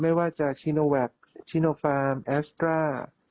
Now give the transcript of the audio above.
ไม่ว่าจะชิโนแวคชิโนฟาร์มแอสตรา